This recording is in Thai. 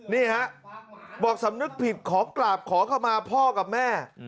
นี่ฮะบอกสำนึกผิดขอกราบขอเข้ามาพ่อกับแม่